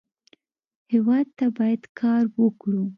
هېواد ته باید کار وکړو